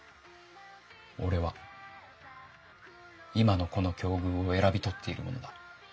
俺は今のこの境遇を選び取っている者だ。